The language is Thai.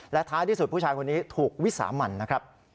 และท้ายที่สุดผู้ชายคนนี้ถูกวิสามันนะครับ